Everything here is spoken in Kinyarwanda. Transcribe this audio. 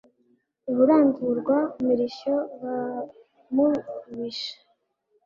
I Buramvurwa mirishyo bwa Mubisha